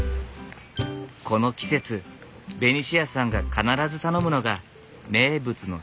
この季節ベニシアさんが必ず頼むのが名物のシソゼリー。